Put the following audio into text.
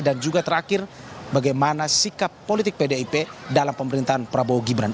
dan juga terakhir bagaimana sikap politik pdip dalam pemerintahan prabowo geraka